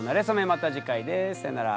また次回ですさようなら。